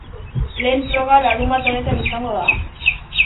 Lehen froga larunbat honetan izango da.